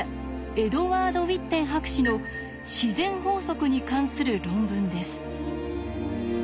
エドワード・ウィッテン博士の自然法則に関する論文です。